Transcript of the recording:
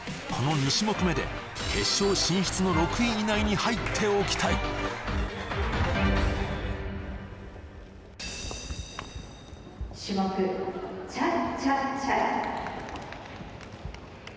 この２種目目で決勝進出の６位以内に入っておきたい種目チャチャチャ